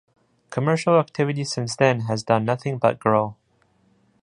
Commercial activity since then has done nothing but grow.